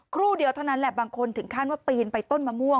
ครู่เดียวเท่านั้นแหละบางคนถึงขั้นว่าปีนไปต้นมะม่วง